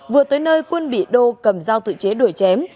vừa tới nơi quân bị đô cầm dao tự chế đuổi chém